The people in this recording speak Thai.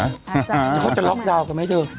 อะจะต้องล็อกดาวน์กันไหมเจ๊